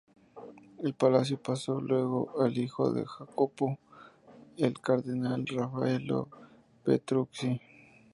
El palacio pasó luego al hijo de Jacopo, el cardenal Raffaello Petrucci.